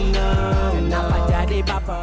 kenapa jadi baper